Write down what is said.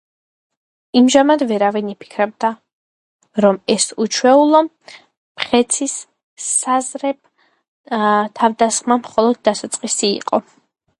იმჟამად ვერავინ იფიქრებდა, რომ ეს უჩვეულო მხეცის საზარელ თავდასხმათა მხოლოდ დასაწყისი იყო.